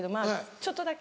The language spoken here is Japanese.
ちょっとだけ？